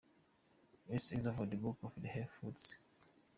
Src: Oxford Book of Health Foods.